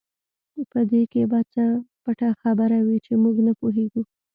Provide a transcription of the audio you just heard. په دې کې به څه پټه خبره وي چې موږ نه پوهېږو.